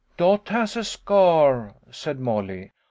" Dot has a scar," said Molly.